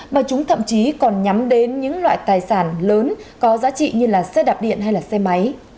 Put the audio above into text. mà chúng thậm chí còn nhắm đến những loại tài sản lớn có giá trị như là xe đạp điện hay xe máy